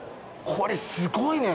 これすごいね。